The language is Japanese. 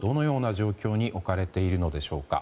大統領はどのような状況に置かれているのでしょうか。